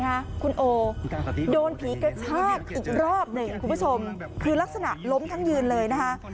คุณโอโดนผีกระชากอีกรอบหนึ่งคุณผู้ชมคือลักษณะล้มทั้งยืนเลยนะคะ